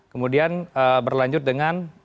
kemudian berlanjut dengan